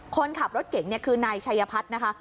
คนขับรถเก่งเนี่ยคือนายชัยพัฒน์นะคะ